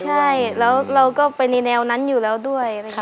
ใช่แล้วเราก็ไปในแนวนั้นอยู่แล้วด้วยนะคะ